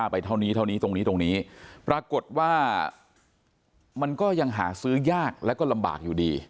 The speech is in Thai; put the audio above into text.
แพ็คหนึ่งก็ตก๑๐บาทได้